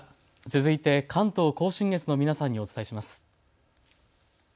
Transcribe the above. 続いて関東甲信越の皆さんにお伝えします。